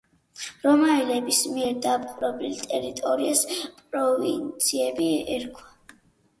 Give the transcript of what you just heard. რომაელების მიერ დაპყრობილ ტერიტორიებს პროვინციები ერქვა.